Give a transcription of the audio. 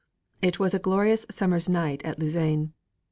It was a glorious summer's night at Lausanne.